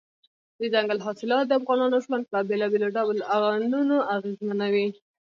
دځنګل حاصلات د افغانانو ژوند په بېلابېلو ډولونو اغېزمنوي.